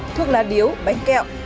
thuốc lá điếu bánh kẹo